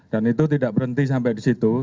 dan itu tidak berhenti sampai disitu